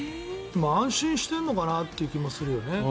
安心してるのかなという気もするよね。